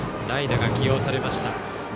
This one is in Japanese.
代打が起用されました。